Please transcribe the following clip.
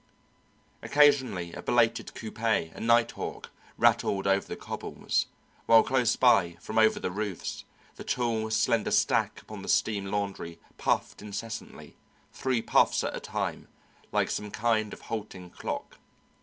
Occasionally a belated coupé, a nighthawk, rattled over the cobbles, while close by, from over the roofs, the tall slender stack upon the steam laundry puffed incessantly, three puffs at a time, like some kind of halting clock.